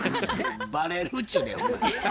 バレるっちゅうねんほんまに。